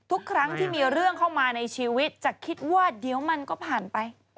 ทุกครั้งที่มีเรื่องเข้ามาในชีวิตจะคิดว่าเดี๋ยวมันก็ผ่านไป